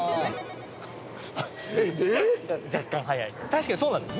確かにそうなんです。